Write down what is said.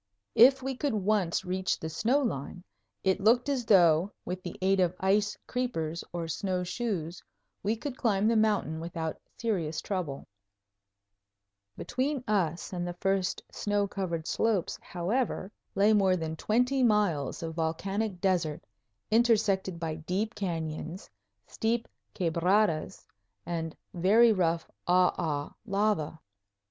If we could once reach the snow line, it looked as though, with the aid of ice creepers or snowshoes, we could climb the mountain without serious trouble. FIGURE Mt. Coropuna from the South Between us and the first snow covered slopes, however, lay more than twenty miles of volcanic desert intersected by deep canyons, steep quebradas, and very rough aa lava.